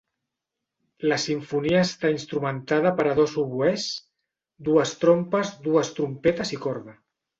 La simfonia està instrumentada per a dos oboès, dues trompes, dues trompetes i corda.